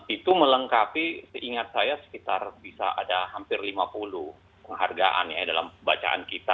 itu melengkapi seingat saya sekitar bisa ada hampir lima puluh penghargaan ya dalam bacaan kita